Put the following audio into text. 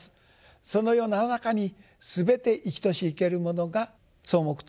そのような中にすべて生きとし生けるものが草木等があると。